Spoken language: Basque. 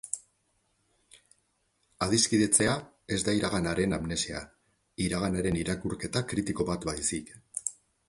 Adiskidetzea ez da iraganaren amnesia, iraganaren irakurketa kritiko bat baizik.